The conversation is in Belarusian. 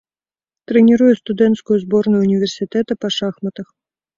Трэніруе студэнцкую зборную ўніверсітэта па шахматах.